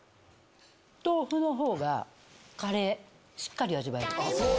豆腐のほうがカレー、しっかり味わえる。